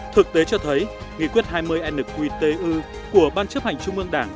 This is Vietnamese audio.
thực tế cho thấy nghị quyết hai mươi nqtu của ban chấp hành trung ương đảng